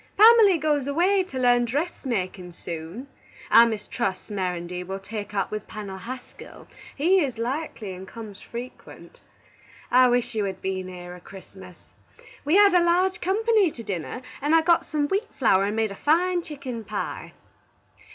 Pamely goes away to learn dressmakin soon. I mistrust Mirandy will take up with Pennel Haskell; he is likely, and comes frequent. I wish you had been here a Christmas. We had a large company to dinner, and I got some wheat flower and made a fine chicken pye.